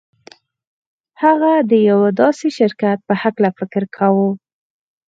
هغه د يوه داسې شرکت په هکله فکر کاوه.